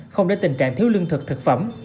không đến tình trạng thiếu lương thực thực phẩm